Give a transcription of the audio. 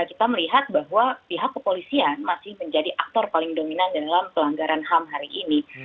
tetapi dari beberapa catatan kontras yang sudah saya sebutkan sebelumnya kita melihat bahwa pihak kepolisian masih menjadi aktor paling dominan dalam pelanggaran ham hari ini